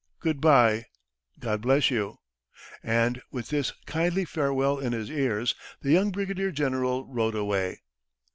Good bye; God bless you." And, with this kindly farewell in his ears, the young brigadier general rode away.